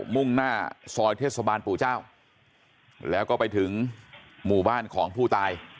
มุ่งหน้าซอยเทศบาลปู่เจ้าแล้วก็ไปถึงหมู่บ้านของผู้ตาย